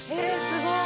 すごい！